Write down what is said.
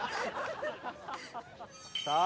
さあ。